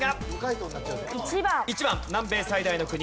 １番南米最大の国。